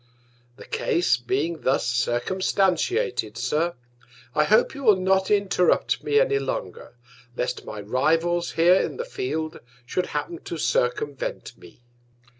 The Case, being thus circumstantiated, Sir, I hope you will not interrupt me any longer, lest my Rivals here in the Field should happen to circumvent me.